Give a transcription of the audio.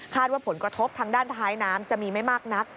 ว่าผลกระทบทางด้านท้ายน้ำจะมีไม่มากนัก